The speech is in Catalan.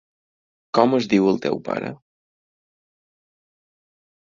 Com es diu el teu pare?